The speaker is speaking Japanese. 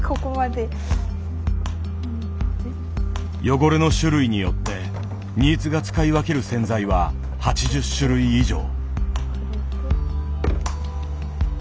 汚れの種類によって新津が使い分ける洗剤は８０種類以上。